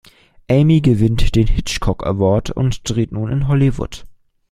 Amy gewinnt den „Hitchcock Award“ und dreht nun in Hollywood.